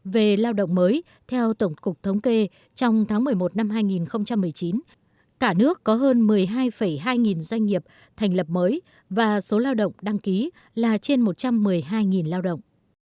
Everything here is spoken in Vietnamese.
về lao động mới theo tổng cục thống kê trong tháng một mươi một năm hai nghìn một mươi chín cả nước có hơn một mươi hai hai nghìn doanh nghiệp thành lập mới và số lao động đăng ký là trên một trăm một mươi hai lao động